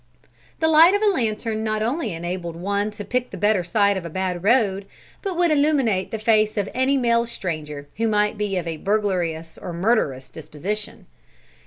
The light of a lantern not only enabled one to pick the better side of a bad road, but would illuminate the face of any male stranger who might be of a burglarious or murderous disposition.